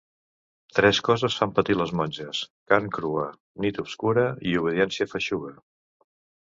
Tres coses fan patir les monges: carn crua, nit obscura i obediència feixuga.